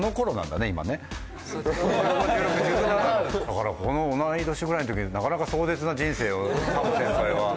だから同い年ぐらいの時になかなか壮絶な人生をＳＡＭ先輩は。